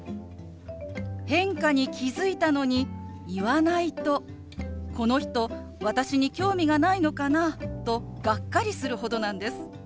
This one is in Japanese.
変化に気付いたのに言わないとこの人私に興味がないのかなとがっかりするほどなんです。